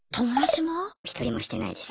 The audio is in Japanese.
一人もしてないです。